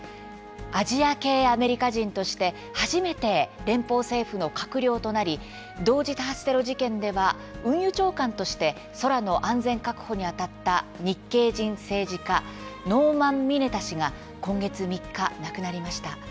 アジア系アメリカ人として初めて連邦政府の閣僚となり同時多発テロ事件では運輸長官として空の安全確保にあたった日系人政治家ノーマン・ミネタ氏が今月３日、亡くなりました。